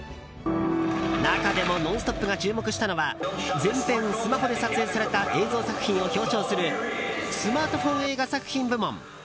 中でも、「ノンストップ！」が注目したのは全編スマホで撮影された映像作品を表彰するスマートフォン映画作品部門。